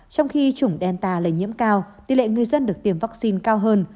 trong khi chủng delta lây nhiễm cao tỷ lệ người dân được tiêm vaccine cao hơn